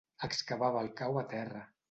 Excavava el cau a terra.